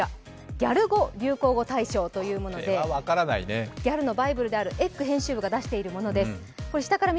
ギャル語流行語大賞というものでギャルのバイブルであるｅｇｇ編集部が出したものです。